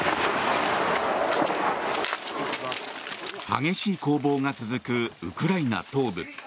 激しい攻防が続くウクライナ東部。